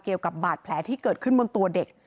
เกี่ยวกับบาดแผลที่เกิดขึ้นบนตัวเด็ก